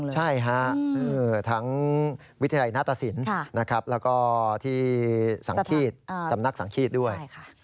ใช่ค่ะทั้งวิทยาลัยนาฏศิลป์แล้วก็ที่สำนักสังฆีตด้วย